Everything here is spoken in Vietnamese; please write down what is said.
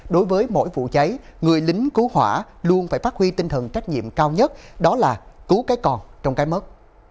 đối với mỗi vụ cháy người lính cứu hỏa luôn phải phát huy tinh thần trách nhiệm cao nhất đó là cứu cái còn trong cái mất